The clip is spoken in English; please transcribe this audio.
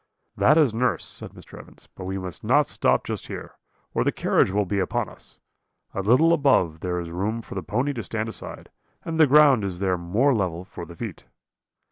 "'That is nurse,' said Mr. Evans; 'but we must not stop just here, or the carriage will be upon us; a little above there is room for the pony to stand aside, and the ground is there more level for the feet.'